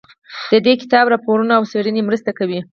د دې کتاب راپورونه او څېړنې مرسته کوي.